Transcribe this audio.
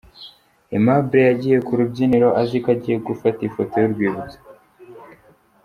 Aimable yagiye ku rubyiniro aziko agiye gufata ifoto y'urwibutso.